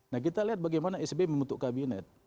nah kita lihat bagaimana sby membentuk kabinet